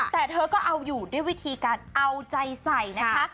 แต่เธอก็เอาอยู่ด้วยวิธีการเอาใจใส่นะคะ